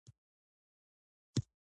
نو اضافي ارزښت به پنځوس میلیونه افغانۍ وي